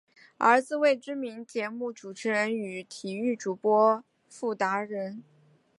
儿子为知名节目主持人与体育主播傅达仁。